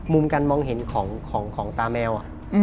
มุมการมองเห็นของตาแมว